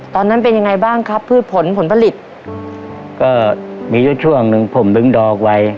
ตอนนั้นเป็นยังไงบ้างครับพืชผลผลผลิตก็มีอยู่ช่วงหนึ่งผมดึงดอกไว้